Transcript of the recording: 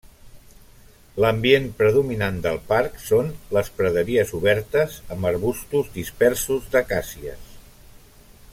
L'ambient predominant del parc són les praderies obertes amb arbustos dispersos d'acàcies.